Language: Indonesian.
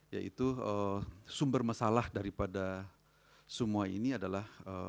yaitu sumber masalah daripada semua ini adalah